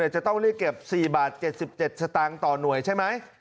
จะต้องเรียกเก็บ๔บาท๗๗สตางค์ต่อหน่วยใช่ไหม